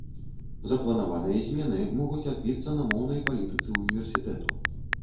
Запланаваныя змены могуць адбіцца на моўнай палітыцы ўніверсітэту.